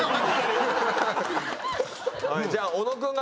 じゃあ小野君が。